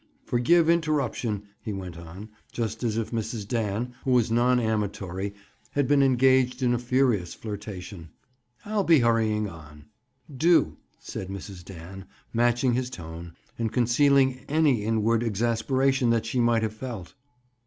"Forgive interruption," he went on, just as if Mrs. Dan who was non amatory had been engaged in a furious flirtation. "I'll be hurrying on." "Do," said Mrs. Dan, matching his tone, and concealing any inward exasperation that she might have felt.